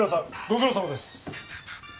ご苦労さまです